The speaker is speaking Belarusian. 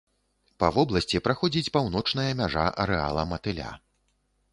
Па вобласці праходзіць паўночная мяжа арэала матыля.